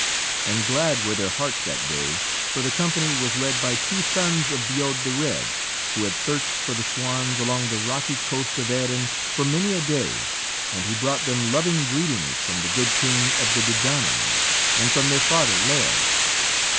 And glad were their hearts that day, for the company was led by two sons of Bodb the Red, who had searched for the swans along the rocky coast of Erin for many a day, and who brought them loving greetings from the good king of the Dedannans and from their father Lîr.